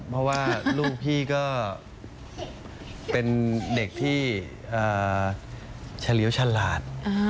เพราะว่าลูกพี่ก็เป็นเด็กที่เฉลียวฉลาด